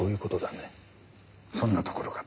そんなところかと。